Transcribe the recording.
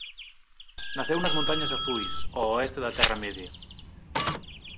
Naceu nas Montañas Azuis ó oeste da Terra Media.